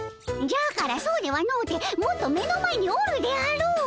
じゃからそうではのうてもっと目の前におるであろう！